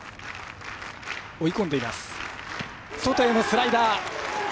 外へのスライダー。